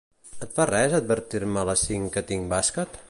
Et fa res advertir-me a les cinc que tinc bàsquet?